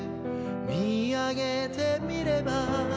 「見上げてみれば」